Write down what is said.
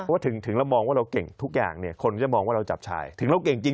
ข้อที่สามสิ่งที่สำคัญคือ